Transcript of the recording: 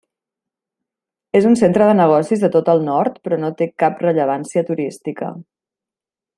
És un centre de negocis de tot el nord però no té cap rellevància turística.